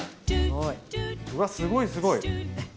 うわすごいすごい。